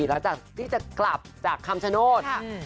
หลังจากที่จะกลับจากคำชโนธ